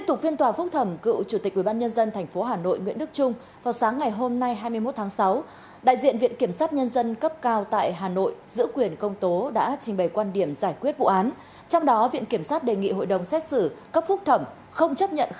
các phúc thẩm không chấp nhận kháng cáo của bị cáo nguyễn đức trung